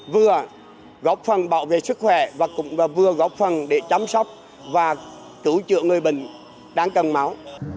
vừa góp phần bảo vệ sức khỏe và cũng vừa góp phần để chăm sóc và cứu chữa người bệnh đang cần máu